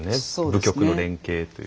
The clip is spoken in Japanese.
部局の連携という。